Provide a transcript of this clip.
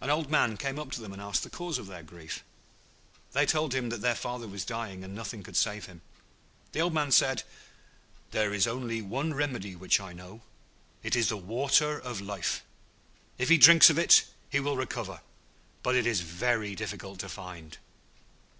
An old man came up to them and asked the cause of their grief. They told him that their father was dying, and nothing could save him. The old man said, 'There is only one remedy which I know; it is the Water of Life. If he drinks of it, he will recover, but it is very difficult to find.'